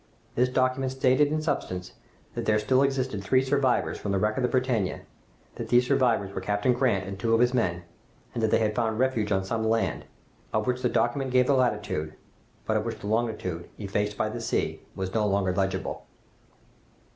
This document stated in substance that there still existed three survivors from the wreck of the 'Britannia,' that these survivors were Captain Grant and two of his men, and that they had found refuge on some land, of which the document gave the latitude, but of which the longitude, effaced by the sea, was no longer legible.